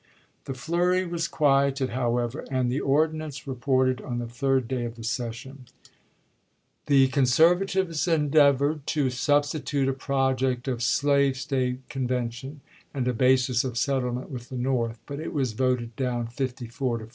The flurry was quieted, however, and the ordi nance reported on the third day of the session. The 188 ABRAHAM LINCOLN chap. xn. conservatives endeavored to substitute a project of a slave State convention and a basis of settlement with the North, but it was voted down, 54 to 45.